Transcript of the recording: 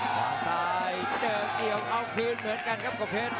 ขวาซ้ายเจอเอาคืนเหมือนกันครับกบเพชร